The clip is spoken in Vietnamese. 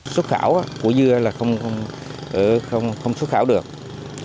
số khảo của dưa là không số khảo được